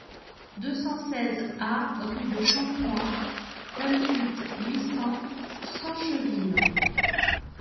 deux cent seize A rue de Champfroid, vingt-huit, huit cents, Sancheville